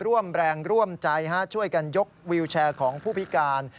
ร่วมแรงร่วมใจช่วยกันยกวิวแชร์ของผู้พิการ